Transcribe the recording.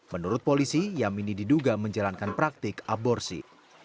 menurut polisi y diduga menjalankan praktek aborsi